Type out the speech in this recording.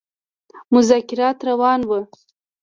مذاکرات روان وه.